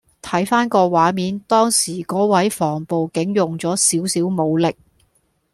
睇返個畫面當時嗰位防暴警用咗少少武力